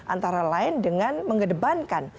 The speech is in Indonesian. antara lain dengan menggedebankan